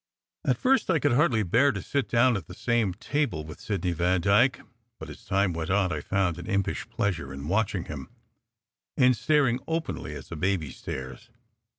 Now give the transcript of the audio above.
At first I could hardly bear to sit down at the same table with Sidney Vandyke; but as time went on, I found an im pish pleasure in watching him, in staring openly, as a baby stares.